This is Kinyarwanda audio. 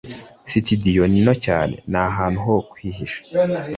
sitidiyo ni nto cyane, ntahantu ho kwihisha.